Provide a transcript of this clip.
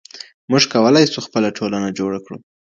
موږ کولای سو خپله ټولنه جوړه کړو.